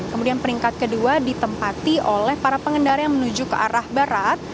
kemudian peringkat kedua ditempati oleh para pengendara yang menuju ke arah barat